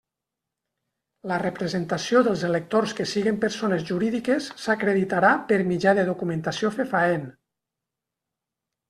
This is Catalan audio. La representació dels electors que siguen persones jurídiques s'acreditarà per mitjà de documentació fefaent.